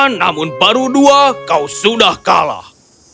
namun baru dua kau sudah kalah